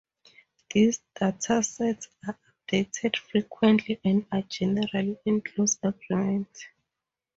These datasets are updated frequently, and are generally in close agreement.